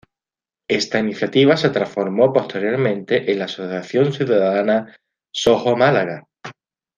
Esta iniciativa se transformó posteriormente en la asociación ciudadana "Soho Málaga".